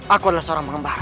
aku adalah seorang pengembara